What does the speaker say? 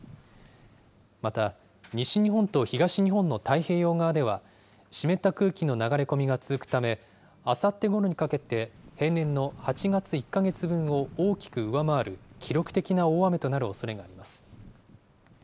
また、西日本と東日本の太平洋側では、湿った空気の流れ込みが続くため、あさってごろにかけて、平年の８か月１か月分を大きく上回る記録的な大雨となるおそれがあります。